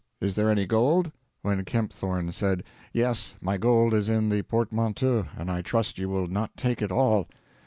Is there any gold?' when Kempthorne said, 'Yes, my gold is in the portmanteau, and I trust you will not take it all.'